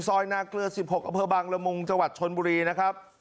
ซอยนาเกลือ๑๖อำเภอบางละมุงจังหวัดชนบุรีนะครับ